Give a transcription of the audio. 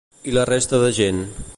I la resta de gent?